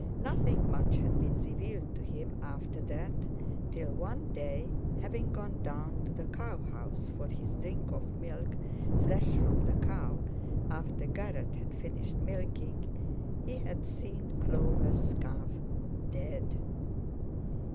Nothing much had been revealed to him after that, till one day, having gone down to the cow house for his drink of milk fresh from the cow, after Garratt had finished milking, he had seen Clover's calf, dead.